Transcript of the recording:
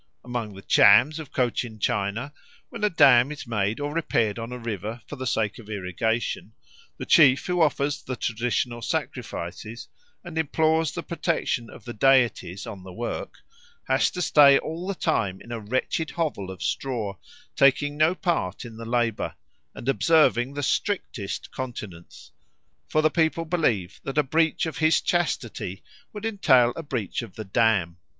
Among the Chams of Cochin China, when a dam is made or repaired on a river for the sake of irrigation, the chief who offers the traditional sacrifices and implores the protection of the deities on the work has to stay all the time in a wretched hovel of straw, taking no part in the labour, and observing the strictest continence; for the people believe that a breach of his chastity would entail a breach of the dam.